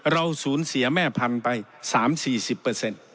เราศูนย์เสียแม่พันธุ์ไปสามสี่สิบเปอร์เซ็นต์